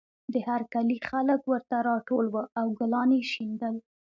د هر کلي خلک ورته راټول وو او ګلان یې شیندل